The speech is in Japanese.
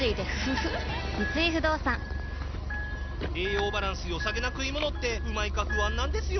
三井不動産栄養バランス良さげな食い物ってうまいか不安なんですよ